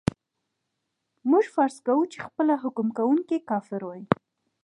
موږ فرض کوو چې خپله حکم کوونکی کافر وای.